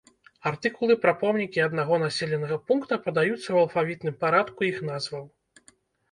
Артыкулы пра помнікі аднаго населенага пункта падаюцца ў алфавітным парадку іх назваў.